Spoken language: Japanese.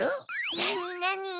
なになに？